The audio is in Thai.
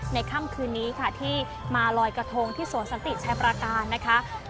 ค่ำคืนนี้ค่ะที่มาลอยกระทงที่สวนสันติชัยประการนะคะ